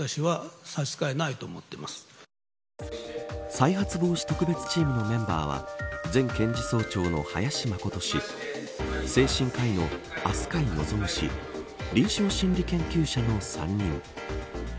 再発防止特別チームのメンバーは前検事総長の林眞琴氏精神科医の飛鳥井望氏臨床心理研究者の３人。